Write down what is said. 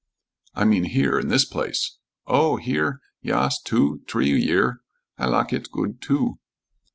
"I mean here, in this place." "Oh, here? Yas, two, t'ree year. I lak it goot too."